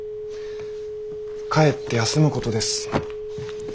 帰って休むことです。